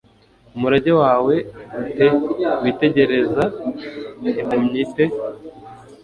Umurage wawe pe witegereza impumyi pe